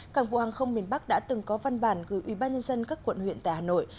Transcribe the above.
cảng vụ hàng không miền bắc đã từng có văn bản gửi ubnd các quận huyện tại hà nội